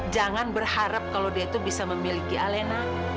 jangan berharap kalau dia itu bisa memiliki alena